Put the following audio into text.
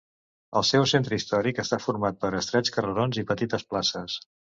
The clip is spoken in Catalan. El seu centre històric està format per estrets carrerons i petites places.